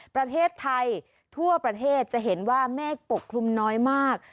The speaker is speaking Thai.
ประเทศไทยทั่วประเทศจะเห็นว่าเมฆปกคลุมน้อยมาก